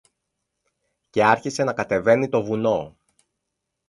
Και άρχισε να κατεβαίνει το βουνό.